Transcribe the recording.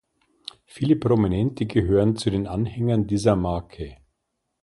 Viele Prominente gehören zu den Anhängern dieser Marke.